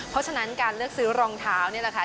เพราะฉะนั้นการเลือกซื้อรองเท้า